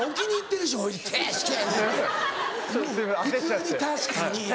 普通に「確かに」や。